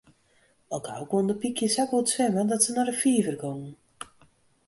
Al gau koenen de pykjes sa goed swimme dat se nei de fiver gongen.